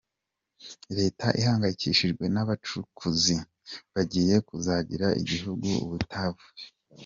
Leta ihangayikishijwe n’abacukuzi bagiye kuzagira igihugu ubutayu.